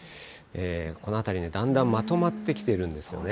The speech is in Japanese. この辺りで、だんだんまとまってきてるんですよね。